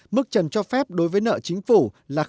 mức trần cho phép đối với nợ chính phủ là